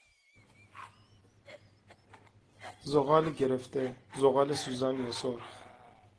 زغال گرفته، زغال سوزان یا سرخ